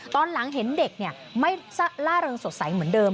ตอนหลังเห็นเด็กไม่ล่าเริงสดใสเหมือนเดิม